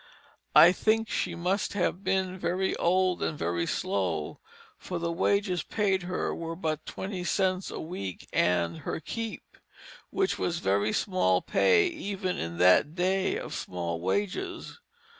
I think she must have been very old and very slow, for the wages paid her were but twenty cents a week and "her keep," which was very small pay even in that day of small wages.